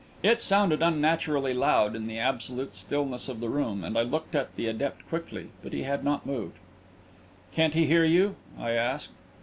It sounded unnaturally loud in the absolute stillness of the room, and I looked at the adept quickly, but he had not moved. "Can't he hear you?" I asked.